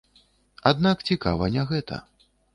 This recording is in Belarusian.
Аднак цікава не гэта.